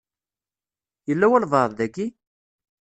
Yella walebɛaḍ daki?